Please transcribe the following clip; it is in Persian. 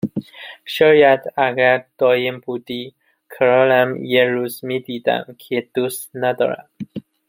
شاید اگر دائم بودی کنارم یه روز میدیدم که دوست ندارم